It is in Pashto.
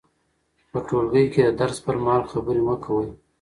په ټولګي کې د درس پر مهال خبرې مه کوئ.